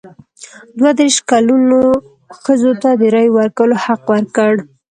دوه دیرش کلنو ښځو ته د رایې ورکولو حق ورکړ.